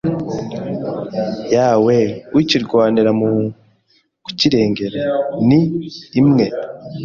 yawe ukirwanira mu kukirengera ni imwe